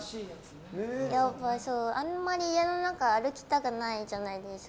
あんまり家の中歩きたくないじゃないですか。